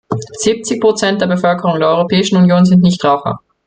Siebzig Prozent der Bevölkerung der Europäischen Union sind Nichtraucher.